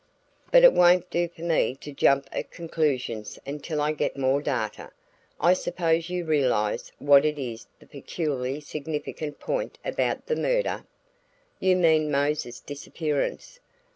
But it won't do for me to jump at conclusions until I get more data. I suppose you realize what is the peculiarly significant point about the murder?" "You mean Mose's disappearance?"